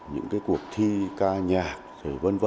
những cái cuộc thi ca nhạc v v